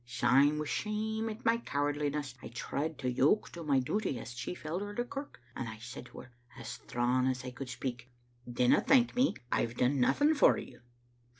Syne wi' shame at my cowardliness, I tried to yoke to my duty as chief elder o' the kirk, and I said to her, as thrawn as I could speak, 'Dinna thank me; I've done nothing for you.'